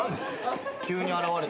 急に現れて。